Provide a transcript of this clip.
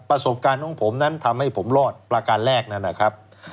ประสบการณ์ของผมนั้นทำให้ผมรอดประการแรกนั้นนะครับ